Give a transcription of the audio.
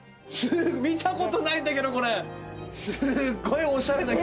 見たことないんだけどこれ！